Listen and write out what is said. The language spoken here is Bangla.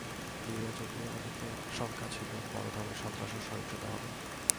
নির্বাচন নিয়ে অনেকের শঙ্কা ছিল বড় ধরনের সন্ত্রাস ও সহিংসতা হবে।